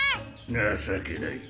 情けない